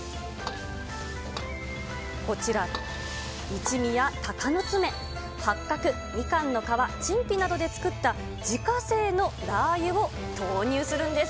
こちら、一味やたかのつめ、八角、みかんの皮、陳皮などで作った自家製のラー油を投入するんです。